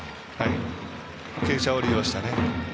傾斜を利用して。